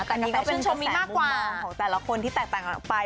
แต่ใบเตยก็ชื่นชมนิดมากกว่าของแต่ละคนที่แตกต่างกันออกไป